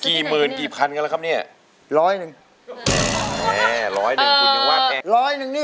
ร้อยหนึ่งคุณอย่าว่าแพง